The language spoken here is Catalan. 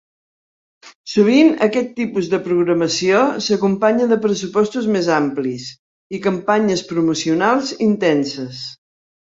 Sovint, aquest tipus de programació s'acompanya de pressupostos més amplis i campanyes promocionals intenses.